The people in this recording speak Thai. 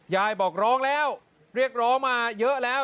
ยายบอกร้องแล้วเรียกร้องมาเยอะแล้ว